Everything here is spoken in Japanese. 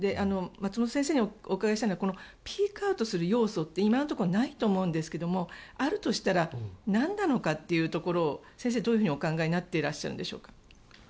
松本先生にお伺いしたいのはピークアウトする要素って今のところないと思うんですがあるとしたらなんなのかを先生はどう考えていらっしゃるんでしょうか。